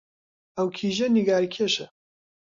ئەو کیژە نیگارکێشە